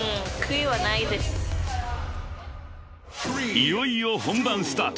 ［いよいよ本番スタート］